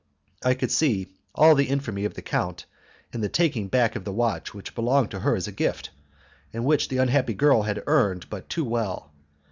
I could see all the infamy of the count in the taking back of the watch which belonged to her as a gift, and which the unhappy girl had earned but too well.